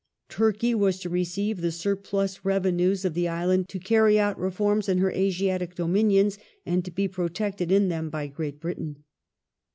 Turkey was to receive the surplus revenues of the Island, to carry out reforms in her Asiatic dominions, arid to be protected in them by Great Britain.